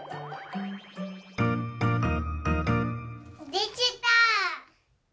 できた！